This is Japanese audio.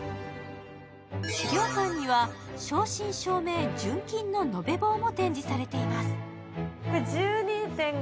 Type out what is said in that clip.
資料館には正真正銘、純金の延べ棒も展示されています。